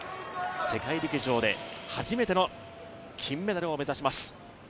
世界陸上で初めての金メダルを目指します。